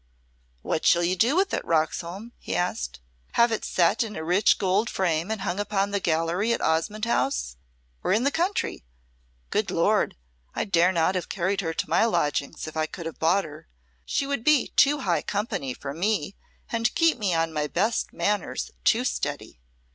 "What shall you do with it, Roxholm?" he asked. "Have it set in a rich gold frame and hung up on the gallery at Osmonde House or in the country? Good Lord! I dare not have carried her to my lodgings if I could have bought her. She would be too high company for me and keep me on my best manners too steady.